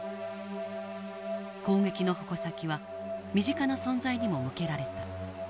攻撃の矛先は身近な存在にも向けられた。